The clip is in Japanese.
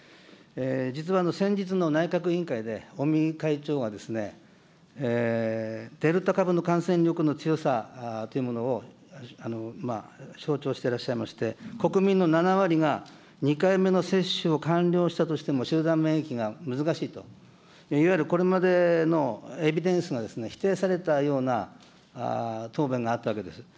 実は先日の内閣委員会で尾身会長が、デルタ株の感染力の強さというものを、しょうちをしておりまして、国民の７割が２回目の接種を完了したとしても、集団免疫が難しいと、いわゆるこれまでのエビデンスが否定されたような答弁があったわけです。